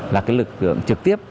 là cái lực lượng trực tiếp